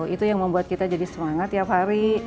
itu yang membuat kita jadi semangat tiap hari